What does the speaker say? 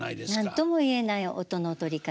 何とも言えない音の取り方。